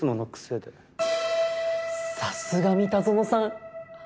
さすが三田園さん。